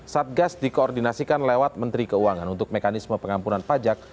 satgas dikoordinasikan lewat menteri keuangan untuk mekanisme pengampunan pajak